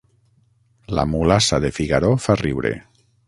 La mulassa de Figaró fa riure